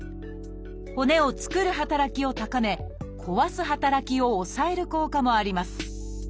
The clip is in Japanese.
骨を作る働きを高め壊す働きを抑える効果もあります。